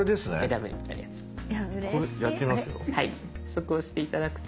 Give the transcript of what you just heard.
そこ押して頂くと。